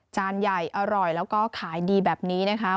จานใหญ่อร่อยแล้วก็ขายดีแบบนี้นะคะ